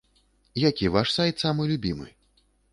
Які ваш сайт самы любімы?